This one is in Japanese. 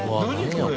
これ。